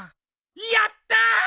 やった！